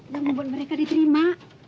yang membuat mereka diterima